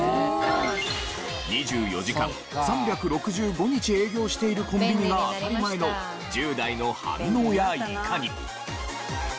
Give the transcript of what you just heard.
２４時間３６５日営業しているコンビニが当たり前の１０代の反応やいかに？